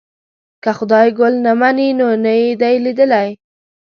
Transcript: که خدای ګل نه مني خو نه یې دی لیدلی.